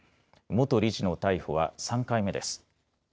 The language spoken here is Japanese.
元理事の逮捕は３回目です。